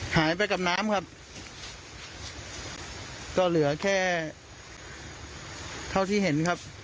หายไปกับน้ำครับก็เหลือแค่เท่าที่เห็นครับ